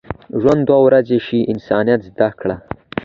ژوند دوه ورځې شي، انسانیت زده کړه.